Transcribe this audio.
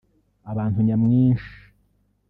Abantu nyamwinshi